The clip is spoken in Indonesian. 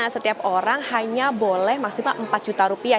setiap orang hanya boleh maksimal empat juta rupiah